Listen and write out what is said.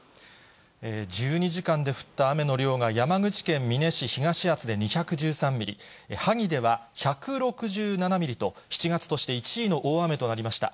１２時間で降った雨の量が山口県美祢市東厚保で２１３ミリ、萩では１６７ミリと、７月として１位の大雨となりました。